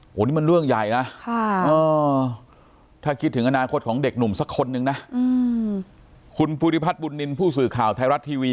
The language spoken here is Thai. วันนี้มันเรื่องใหญ่นะถ้าคิดถึงอนาคตของเด็กหนุ่มสักคนนึงนะคุณภูริพัฒน์บุญนินทร์ผู้สื่อข่าวไทยรัฐทีวี